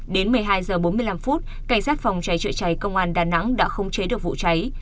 đến một mươi hai giờ bốn mươi năm phút cảnh sát phòng cháy trưa cháy công an đà nẵng đã không chế được vụ cháy